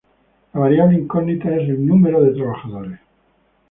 La variable incógnita es el "número de trabajadores".